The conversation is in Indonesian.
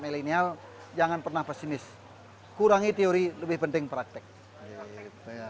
milenial jangan pernah pesimis kurangi teori lebih penting praktek iya praktek sambil